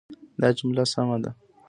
دا جمله سمه ده.